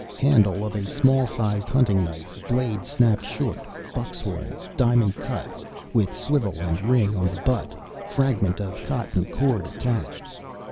Handle of small sized hunting knife. Blade snapped short. Buck's horn, diamond cut, with swivel and ring on the butt; fragment of cotton cord attached.